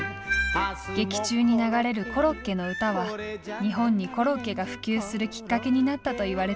劇中に流れる「コロッケの唄」は日本にコロッケが普及するきっかけになったといわれています。